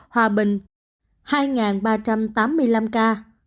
hòa bình hai ba trăm tám mươi năm ca